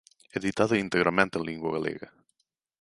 Editada integramente en lingua galega.